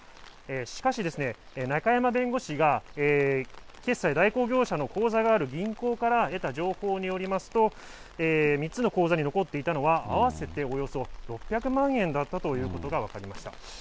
しかし、中山弁護士が決済代行業者の口座がある銀行から得た情報によりますと、３つの口座に残っていたのは、合わせておよそ６００万円だったということが分かりました。